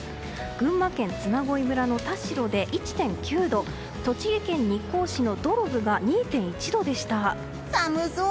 群馬県嬬恋村の田代で１．９度栃木県日光市の土呂部では２．１度でした。